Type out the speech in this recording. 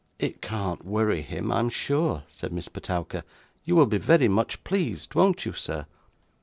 'It can't worry him, I am sure,' said Miss Petowker. 'You will be very much pleased, won't you, sir?